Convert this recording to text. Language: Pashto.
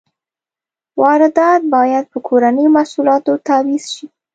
واردات باید په کورنیو محصولاتو تعویض شي.